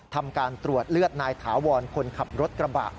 ทำการตรวจเลือดนายถาวรคนขับรถกระบะ